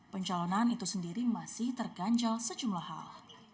pencalonan itu sendiri masih terganjal sejumlah hal